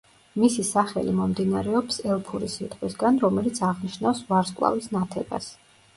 მისი სახელი მომდინარეობს ელფური სიტყვისგან, რომელიც აღნიშნავს „ვარსკვლავის ნათებას“.